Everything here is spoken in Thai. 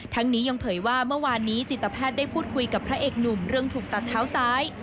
นี้ยังเผยว่าเมื่อวานนี้จิตแพทย์ได้พูดคุยกับพระเอกหนุ่มเรื่องถูกตัดเท้าซ้าย